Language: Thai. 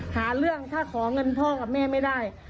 หาเรื่องถ้าขอเงินพ่อกับแม่ไม่ได้